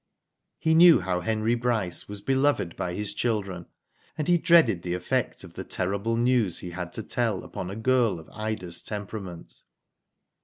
He knew how Henry Bryce was beloved by his children, and he dreaded the effect of the terrible news he had to tell upon a girl of Ida's temperament.